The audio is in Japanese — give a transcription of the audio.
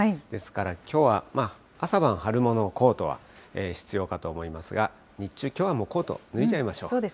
ですからきょうは、朝晩春物のコートは必要かと思いますが、日中、きょうはもうコート、脱いじゃいましょう。